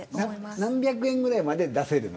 何百円ぐらいまで出せるの。